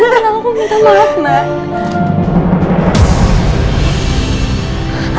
di mana aku mau ketemu sama anak aku